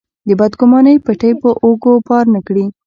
د بدګمانۍ پېټی په اوږو بار نه کړي.